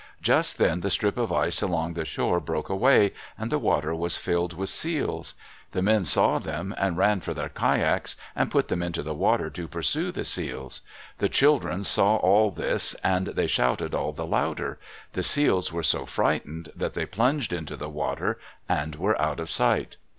Just then the strip of ice along the shore broke away, and the water was filled with seals. The men saw them, and ran for their kayaks, and put them into the water to pursue the seals. The children saw all this, and they shouted all the louder. The seals were so frightened that they plunged into the water and were out of sight.